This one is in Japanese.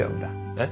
えっ？